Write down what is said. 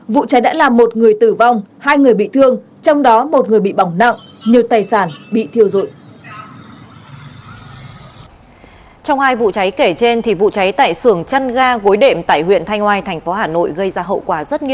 vụ cháy đã làm một người tử vong hai người bị thương trong đó một người bị bỏng nặng nhiều tài sản bị thiêu dụi